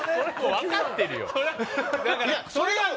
分かってるよ！